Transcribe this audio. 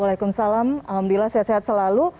waalaikumsalam alhamdulillah sehat sehat selalu